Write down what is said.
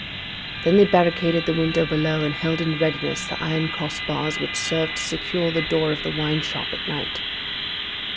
Then they barricaded the window below, and held in readiness the iron cross bars which served to secure the door of the wine shop at night.